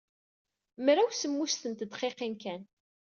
Mraw semmuset n tedqiqin kan.